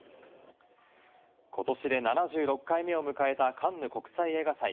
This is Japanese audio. ことしで７６回目を迎えたカンヌ国際映画祭。